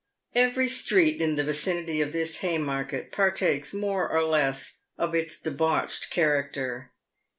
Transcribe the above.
Every street in the vicinity of this Haymarket partakes more or less of its debauched character.